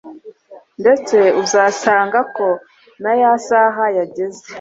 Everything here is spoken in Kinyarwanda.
Ndetse uzasanga ko na ya saha yageze